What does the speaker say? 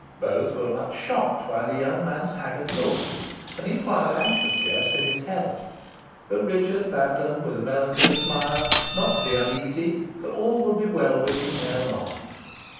Both were much shocked by the young man's haggard looks, and inquired anxiously as to his health, but Richard bade them, with a melancholy smile, not be uneasy, for all would be well with him erelong.